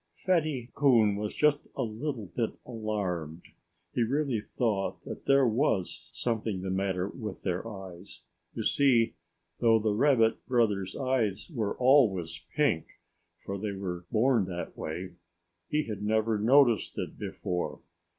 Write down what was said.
Fatty Coon was just the least bit alarmed. He really thought that there was something the matter with their eyes. You see, though the Rabbit brothers' eyes were always pink (for they were born that way), he had never noticed it before.